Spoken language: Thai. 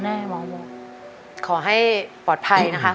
คุณยายแดงคะทำไมต้องซื้อลำโพงและเครื่องเสียง